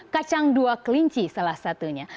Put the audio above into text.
kacang dua kelinci salah satunya